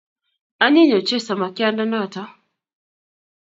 anyiny ochei samakyandenata